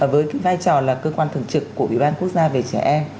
với cái vai trò là cơ quan thường trực của ủy ban quốc gia về trẻ em